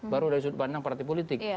baru dari sudut pandang partai politik